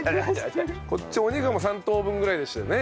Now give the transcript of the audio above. こっちお肉も３等分ぐらいでしたよね。